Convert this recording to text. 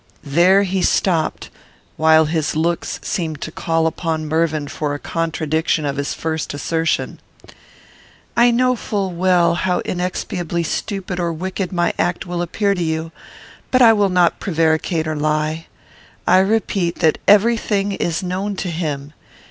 There he stopped; while his looks seemed to call upon Mervyn for a contradiction of his first assertion. "I know full well how inexpiably stupid or wicked my act will appear to you, but I will not prevaricate or lie. I repeat, that every thing is known to him.